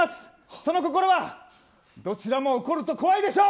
その心はどちらも怒ると怖いでしょう！